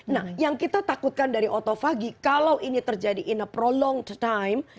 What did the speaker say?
nah yang kita takutkan dari otophagy kalau ini terjadi in a prolonged time